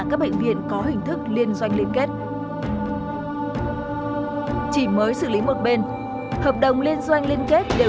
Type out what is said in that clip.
các bệnh viện có hình thức liên doanh liên kết chỉ mới xử lý một bên hợp đồng liên doanh liên kết đều